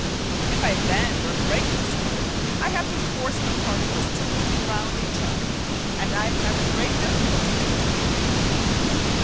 If I break or bend this wood I have to force the particles to move round each other, and I have great difficulty doing it.